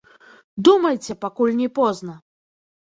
Думайце, пакуль не позна!